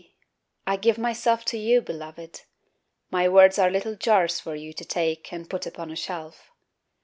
I give myself to you, Beloved! My words are little jars For you to take and put upon a shelf.